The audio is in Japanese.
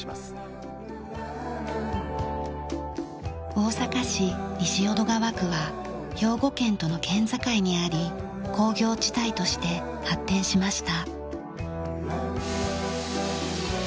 大阪市西淀川区は兵庫県との県境にあり工業地帯として発展しました。